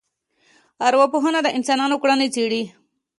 ارواپوهنه د انسانانو کړنې څېړي